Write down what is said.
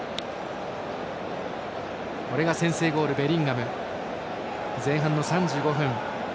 先制ゴールのベリンガム前半の３５分。